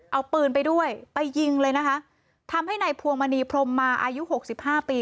เอาปืนไปด้วยไปยิงเลยนะคะทำให้ในพวงมณีพรมมาอายุหกสิบห้าปี